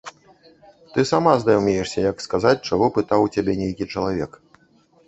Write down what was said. Ты сама здаўмеешся, як сказаць, чаго пытаў у цябе нейкі чалавек.